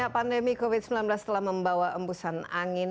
pandemi covid sembilan belas telah membawa embusan angin